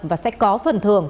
và sẽ có phần thường